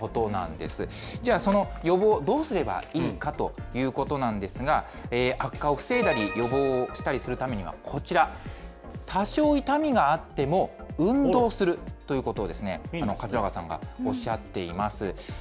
ではその予防、どうすればいいかということなんですが、悪化を防いだり、予防をしたりするためには、こちら、多少痛みがあっても運動するということをですね、桂川さんがおっしゃっています。